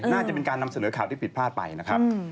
น่าจะเป็นการนำเสนอข่าวที่ผิดพลาดไปนะครับ